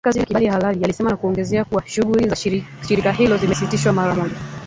Kufanya kazi bila kibali halali alisema na kuongeza kuwa shughuli za shirika hilo zimesitishwa mara moja